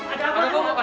ada apa bu